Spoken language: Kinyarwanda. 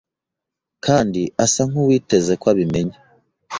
Kandi asa nkuwiteze ko abimenya!